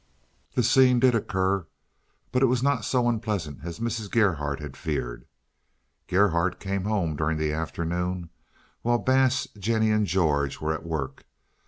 The scene did occur, but it was not so unpleasant as Mrs. Gerhardt had feared. Gerhardt came home during the afternoon, while Bass, Jennie, and George were at work.